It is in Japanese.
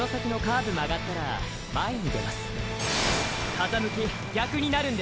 風向き逆になるんで。